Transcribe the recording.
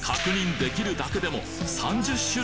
できるだけでも